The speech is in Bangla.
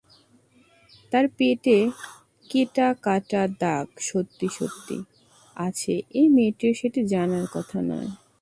তার পেটে কেটা কাটা দাগ সত্যি-সত্যি আছে, এই মেয়েটির সেটি জানার কথা নয়।